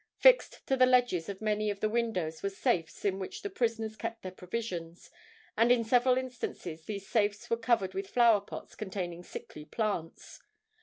Fixed to the ledges of many of the windows, were safes in which the prisoners kept their provisions; and in several instances these safes were covered with flower pots containing sickly plants.